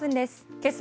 けさ